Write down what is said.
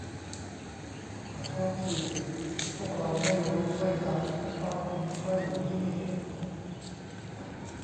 ขอโทษที พวกเราไม่รู้ด้วยซ้ำว่าคุณก็อยู่ที่นี่